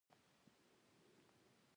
باران د افغانستان د زرغونتیا یوه نښه ده.